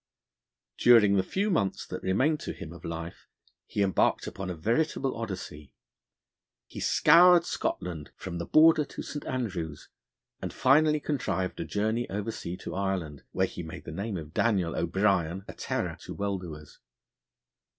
During the few months that remained to him of life he embarked upon a veritable Odyssey: he scoured Scotland from the Border to St. Andrews, and finally contrived a journey oversea to Ireland, where he made the name of Daniel O'Brien a terror to well doers.